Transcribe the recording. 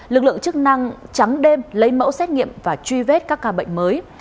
lực lượng chức năng trắng đêm lấy mẫu xét nghiệm và truy vết các ca bệnh mới